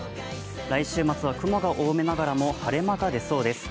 来週末は雲が多めながらも晴れ間が出そうです。